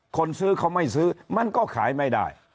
คนซื้อเขาไม่ซื้อมันก็ขายไม่ได้